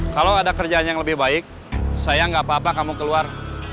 kalau ada kerjaan yang lebih baik saya nggak apa apa kamu keluar